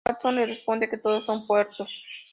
Watson le responde que todos son puertos.